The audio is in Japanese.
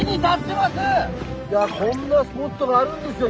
こんなスポットがあるんですよ